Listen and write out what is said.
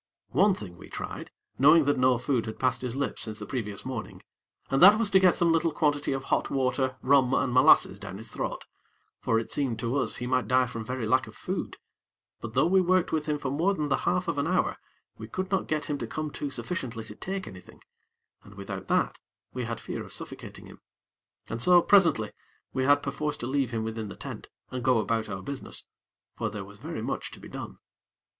One thing we tried, knowing that no food had passed his lips since the previous morning, and that was to get some little quantity of hot water, rum and molasses down his throat; for it seemed to us he might die from very lack of food; but though we worked with him for more than the half of an hour, we could not get him to come to sufficiently to take anything, and without that we had fear of suffocating him. And so, presently, we had perforce to leave him within the tent, and go about our business; for there was very much to be done.